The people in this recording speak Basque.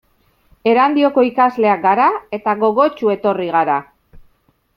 Erandioko ikasleak gara eta gogotsu etorri gara.